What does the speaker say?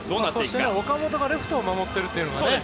そして岡本がレフトを守っているというね。